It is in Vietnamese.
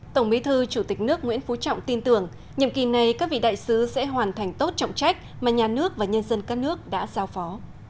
tổng bí thư chủ tịch nước nguyễn phú trọng tin tưởng nhiệm kỳ này các vị đại sứ sẽ hoàn thành tốt trọng trách mà nhà nước và nhân dân các nước đã giao phó